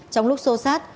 trong lúc xô sát